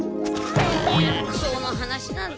薬草の話なんて。